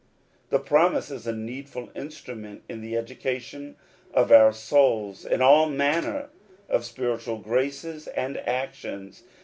The promise is a needful instrument in the educa tion of our souls in all manner of spiritual graces and actions.